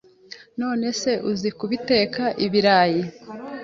None se uzi kubiteka ibirayi